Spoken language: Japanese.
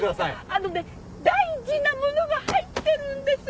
あのね大事なものが入ってるんです！